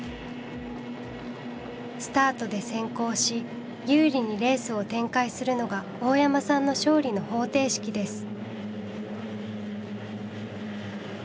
スタートで先行し有利にレースを展開するのが大山さんの勝利の方程式です。